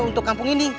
untuk kampung ini